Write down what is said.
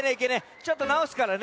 ちょっとなおすからね。